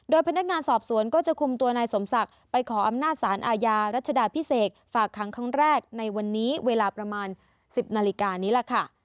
พนักงานสอบสวนก็จะคุมตัวนายสมศักดิ์ไปขออำนาจสารอาญารัชดาพิเศษฝากค้างครั้งแรกในวันนี้เวลาประมาณ๑๐นาฬิกานี้ล่ะค่ะ